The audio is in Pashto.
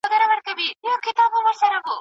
که خلګ فکر وکړي، ايا حقيقت مومي؟